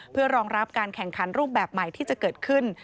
เพื่อรองรับการแข่งขันรูปแบบใหม่ที่จะเกิดขึ้น